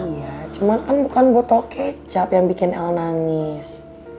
iya cuman kan bukan botol kecap yang bikin el nangis